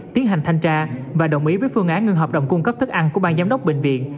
tiến hành thanh tra và đồng ý với phương án ngưng hợp đồng cung cấp thức ăn của ban giám đốc bệnh viện